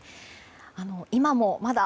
今もまだ、